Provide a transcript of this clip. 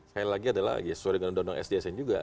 sekali lagi adalah sesuai dengan undang undang sjsn juga